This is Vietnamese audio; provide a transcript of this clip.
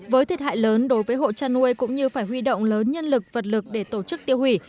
với thiệt hại lớn đối với hộ chăn nuôi cũng như phải huy động lớn nhân lực vật lực để tổ chức tiêu hủy